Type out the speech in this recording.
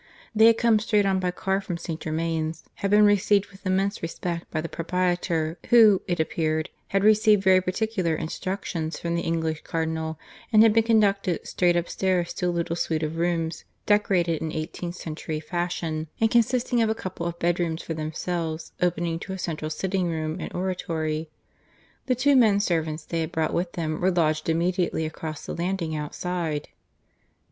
They had come straight on by car from St. Germains, had been received with immense respect by the proprietor, who, it appeared, had received very particular instructions from the English Cardinal; and had been conducted straight upstairs to a little suite of rooms, decorated in eighteenth century fashion, and consisting of a couple of bedrooms for themselves, opening to a central sitting room and oratory; the two men servants they had brought with them were lodged immediately across the landing outside.